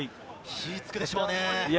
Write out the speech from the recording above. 火が付くでしょうね。